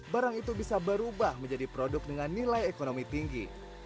barang itu bisa berubah menjadi produk dengan nilai ekonomi tinggi